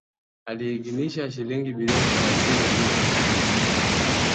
Aliidhinisha shilingi bilioni thelethini na nne.